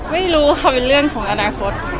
ไม่รู้ค่ะเป็นเรื่องของอนาคต